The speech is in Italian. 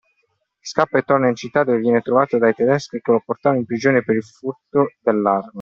Scappa e torna in città dove viene trovato dai tedeschi che lo portano in prigione per il furto dell’arma.